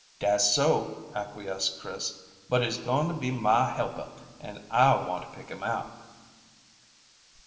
"Dat's so," acquiesced Chris, "but he's going to be mah helper, and I want to pick him out."